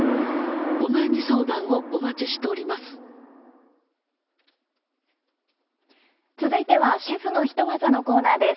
お悩み相談をお待ちしております。